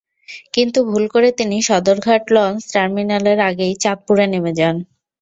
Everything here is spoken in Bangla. কিন্তু ভুল করে তিনি সদরঘাট লঞ্চ টার্মিনালের আগেই চাঁদপুরে নেমে যান।